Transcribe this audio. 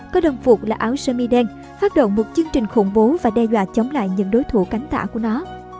có đồng phục là áo sơ mi đen phát động một chương trình khủng bố và đe dọa chống lại những đối thủ cánh tả của nó